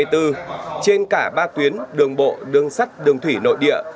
trên cả ba tuyến đường bộ đường sắt đường thủy nội địa